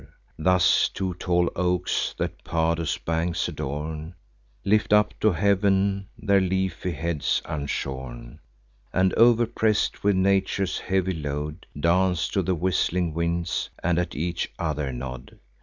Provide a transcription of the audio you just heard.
Thus two tall oaks, that Padus' banks adorn, Lift up to heav'n their leafy heads unshorn, And, overpress'd with nature's heavy load, Dance to the whistling winds, and at each other nod.